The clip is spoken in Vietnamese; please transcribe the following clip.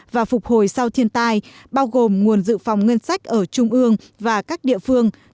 và phục hồi sau thiên tai bao gồm nguồn dự phòng ngân sách ở trung ương và các địa phương